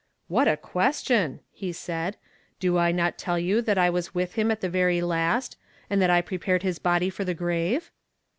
"What a question !" he said. "Do I not tell you thict I was with him at tho vjiy last, and that I pi epared his body for the gvaxe